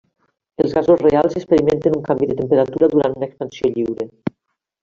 Els gasos reals experimenten un canvi de temperatura durant una expansió lliure.